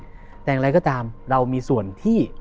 แต่อย่างไรก็ตามเรามีส่วนที่